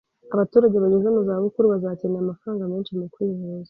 Abaturage bageze mu za bukuru bazakenera amafaranga menshi mu kwivuza